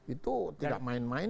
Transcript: itu tidak main main